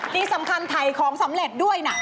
ที่สำคัญถ่ายของสำเร็จด้วยนะ